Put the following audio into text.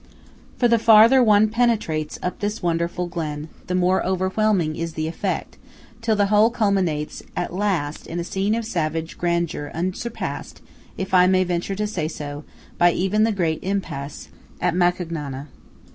For the farther one penetrates up this wonderful glen, the more overwhelming is the effect, till the whole culminates at last in a scene of savage grandeur unsurpassed, if I may venture to say so, by even the great impasse at Macugnana.